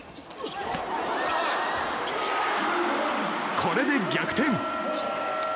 これで逆転。